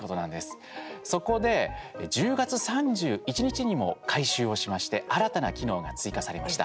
そこで、１０月３１日にも改修をしまして新たな機能が追加されました。